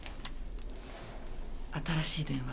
新しい電話。